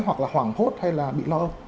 hoặc là hoảng hốt hay là bị lo âm